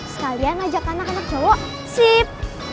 sekalian ajak anak anak bawa sip